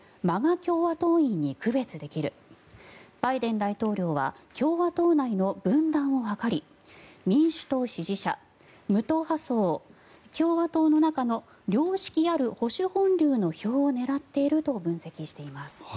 共和党員に区別できるバイデン大統領は共和党内の分断を図り民主党支持者、無党派層共和党の中の良識ある保守本領の票を狙っていると分析しています。